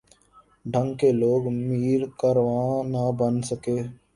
ڈھنگ کے لوگ میر کارواں نہ بن سکے۔